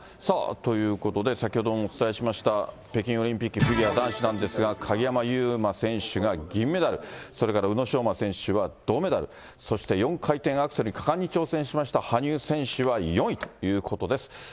さあ、ということで、先ほどもお伝えしました、北京オリンピックフィギュア男子なんですが、鍵山優真選手が銀メダル、それから宇野昌磨選手は銅メダル、そして４回転アクセルに果敢に挑戦しました羽生選手は４位ということです。